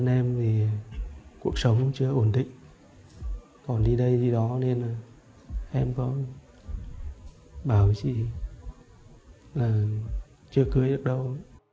em vì cuộc sống chưa ổn định còn đi đây đi đó nên là em có bảo chị là chưa cưới được đâu